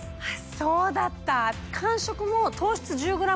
そうだった！